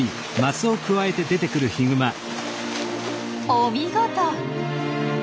お見事！